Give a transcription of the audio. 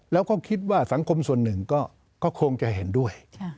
แล้วก็คิดว่าสังคมส่วนหนึ่งก็คงจะเห็นด้วย